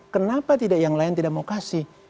kenapa tidak yang lain tidak mau kasih